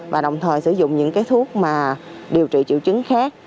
và đồng thời sử dụng những thuốc điều trị triệu chứng khác